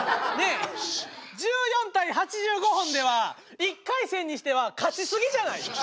１４対８５本では１回戦にしては勝ち過ぎじゃない？